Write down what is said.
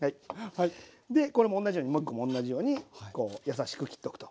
でこれも同じようにもう１個も同じようにこう優しく切っとくと。